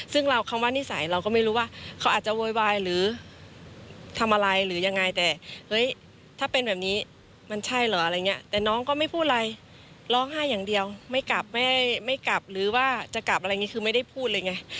ซึ่งเราคำว่านิสัยเราก็ไม่รู้ว่าเขาอาจจะโวยวายหรือทำอะไรหรือยังไงแต่เฮ้ยถ้าเป็นแบบนี้มันใช่เหรออะไรอย่างเงี้ยแต่น้องก็ไม่พูดอะไรร้องไห้อย่างเดียวไม่กลับไม่กลับหรือว่าจะกลับอะไรอย่างนี้คือไม่ได้พูดเลยไง